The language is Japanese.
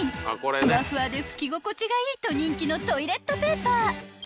［ふわふわで拭き心地がいいと人気のトイレットペーパー］